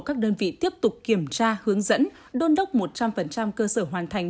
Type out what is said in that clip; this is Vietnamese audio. các đơn vị tiếp tục kiểm tra hướng dẫn đôn đốc một trăm linh cơ sở hoàn thành